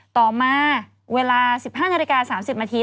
ต่อมาเวลา๑๕นาฬิกา๓๐นาที